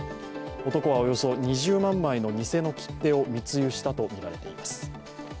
男はおよそ２０万枚の偽の切手を密輸したとみられています。